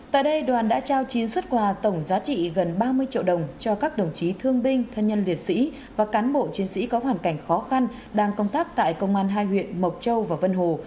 tại đây đoàn đã trao chín xuất quà tổng giá trị gần ba mươi triệu đồng cho các đồng chí thương binh thân nhân liệt sĩ và cán bộ chiến sĩ có hoàn cảnh khó khăn đang công tác tại công an hai huyện mộc châu và vân hồ